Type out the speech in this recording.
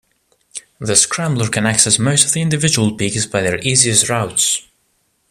The scrambler can access most of the individual peaks by their easiest routes.